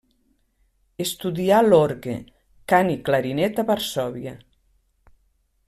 Estudià l'orgue, cant i clarinet a Varsòvia.